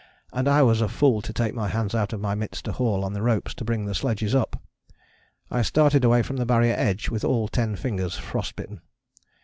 and I was a fool to take my hands out of my mitts to haul on the ropes to bring the sledges up. I started away from the Barrier edge with all ten fingers frost bitten.